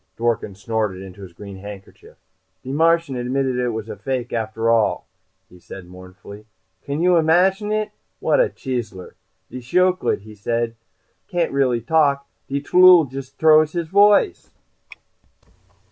Dworken snorted into his green handkerchief. "De Martian admitted it was a fake, after all," he said mournfully. "Can you imachine it? What a chiseler! "'De shiyooch'iid,' he said, 'can't really talk; de tllooll just t'rows his voice!'"